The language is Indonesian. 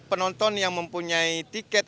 penonton yang mempunyai tiket